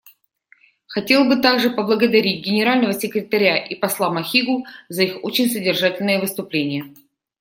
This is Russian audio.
Хотел бы также поблагодарить Генерального секретаря и посла Махигу за их очень содержательные выступления.